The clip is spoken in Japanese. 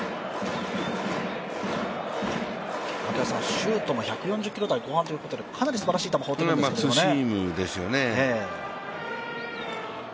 シュートも１４０キロ台後半ということでかなりすばらしい球投げてきますよねるツーシームですよね。